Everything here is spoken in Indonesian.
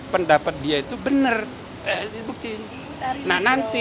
pendapat dia itu bener bukti nanti